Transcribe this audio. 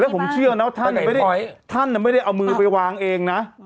ผมเชื่อนะว่าท่านไม่ได้เอามือไปวางเองนะ